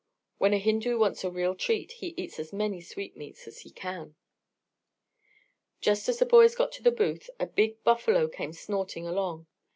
When a Hindu wants a real treat, he eats as many sweetmeats as he can. Just as the boys got to the booth, a big bull buffalo came snorting along.